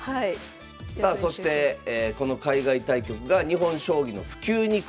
さあそしてこの海外対局が日本将棋の普及に貢献したということで。